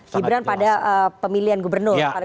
sebenarnya pada pemilihan gubernur